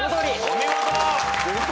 お見事。